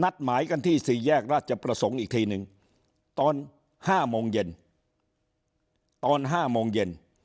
นัดหมายกันที่สี่แยกราชประสงค์อีกทีหนึ่งตอน๕โมงเย็น